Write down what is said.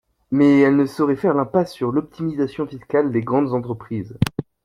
Mais elle ne saurait faire l’impasse sur l’optimisation fiscale des grandes entreprises.